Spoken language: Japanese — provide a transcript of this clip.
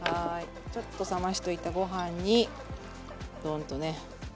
ちょっと冷ましておいたご飯にドンとね。